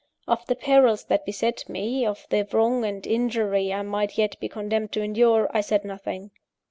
Of the perils that beset me, of the wrong and injury I might yet be condemned to endure, I said nothing.